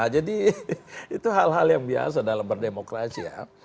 jadi itu hal hal yang biasa dalam berdemokrasi ya